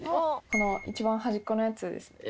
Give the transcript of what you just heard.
この一番端っこのヤツですね。